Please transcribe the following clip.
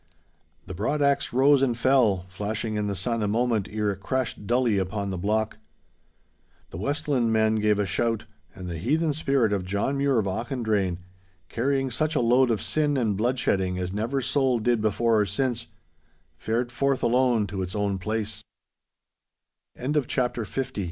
The broad axe rose and fell, flashing in the sun a moment ere it crashed dully upon the block. The Westland men gave a shout, and the heathen spirit of John Mure of Auchendrayne, carrying such a load of sin and bloodshedding as never soul did before or since, fared